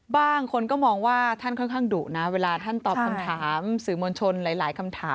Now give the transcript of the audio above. บางคนก็มองว่าท่านค่อนข้างดุนะเวลาท่านตอบคำถามสื่อมวลชนหลายคำถาม